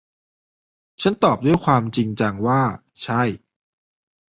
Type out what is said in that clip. ฉันตอบด้วยความจริงจังว่า ใช่